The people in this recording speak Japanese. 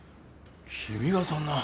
君がそんな。